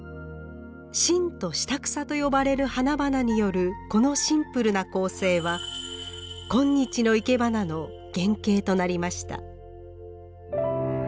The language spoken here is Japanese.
真と下草と呼ばれる花々によるこのシンプルな構成は今日のいけばなの原型となりました。